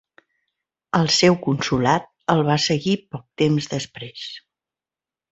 El seu consolat el va seguir poc temps després.